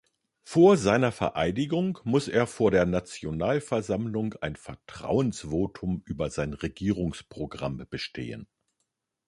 Vor seiner Vereidigung muss er vor der Nationalversammlung ein Vertrauensvotum über sein Regierungsprogramm bestehen.